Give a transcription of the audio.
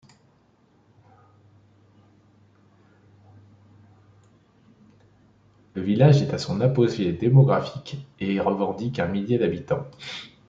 Le village est à son apogée démographique et revendique un millier d'habitants.